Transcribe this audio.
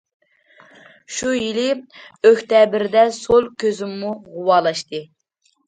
شۇ يىلى ئۆكتەبىردە سول كۆزۈممۇ غۇۋالاشتى.